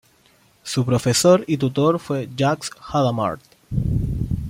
Su profesor y tutor fue Jacques Hadamard.